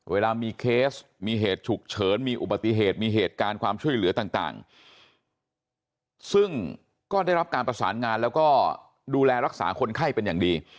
เวลามีเคสมีเหตุฉุกเฉินมีอุบัติเหตุมีเหตุการณ์ความช่วยเหลือต่างซึ่งก็ได้รับการประสานงานแล้วก็ดูแลรักษาคนไข้เป็นอย่างดี